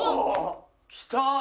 きた！